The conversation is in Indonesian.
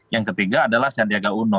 yang ketiga adalah sandiaga uno